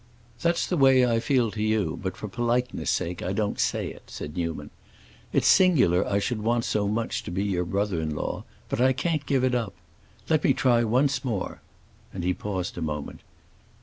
"That's the way I feel to you, but for politeness sake I don't say it," said Newman. "It's singular I should want so much to be your brother in law, but I can't give it up. Let me try once more." And he paused a moment.